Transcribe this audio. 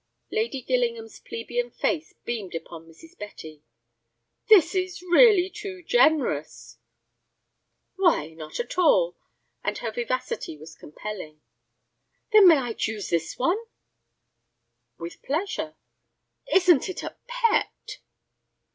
Lady Gillingham's plebeian face beamed upon Mrs. Betty. "This is really too generous." "Why, not at all," and her vivacity was compelling. "Then I may choose this one?" "With pleasure." "Isn't it a pet?"